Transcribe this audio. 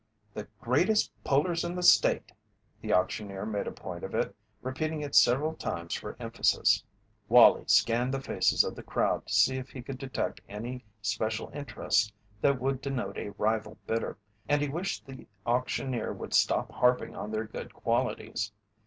"The greatest pullers in the State"; the auctioneer made a point of it, repeating it several times for emphasis. Wallie scanned the faces of the crowd to see if he could detect any special interest that would denote a rival bidder, and he wished the auctioneer would stop harping on their good qualities.